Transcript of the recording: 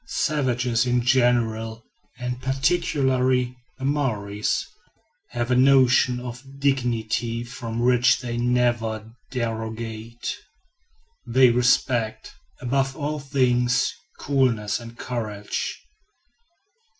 Savages in general, and particularly the Maories, have a notion of dignity from which they never derogate. They respect, above all things, coolness and courage.